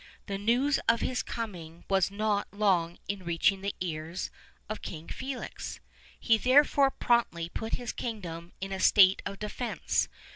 The news of his coming was not long in reaching the ears of King Felix; he therefore promptly put his kingdom in a state of defense.